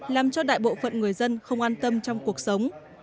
làm cho đại bộ phận người dân không an tâm trong cuộc khai thống